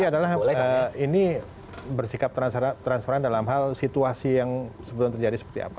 tapi adalah ini bersikap transparan dalam hal situasi yang sebetulnya terjadi seperti apa